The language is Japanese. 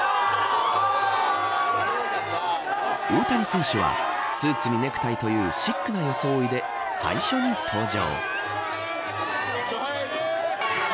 大谷選手はスーツにネクタイというシックな装いで最初に登場。